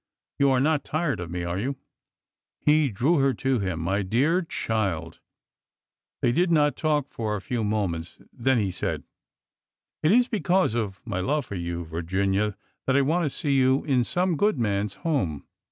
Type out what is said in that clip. You are not tired of me, are you ?" He drew her to him. My dear child !" They did not talk for a few moments. Then he said : It is because of my love for you, Virginia, that I want to see you in some good man's home.